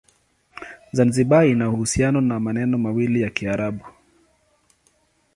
Zanzibar ina uhusiano na maneno mawili ya Kiarabu.